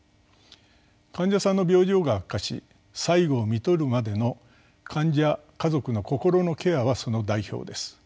患者さんの病状が悪化し最期を看取るまでの患者家族の心のケアはその代表です。